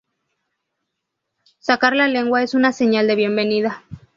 Sacar la lengua es una señal de bienvenida.